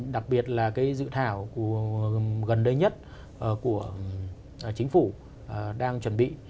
đặc biệt là dự thảo gần đây nhất của chính phủ đang chuẩn bị